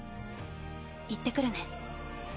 行ってくるね。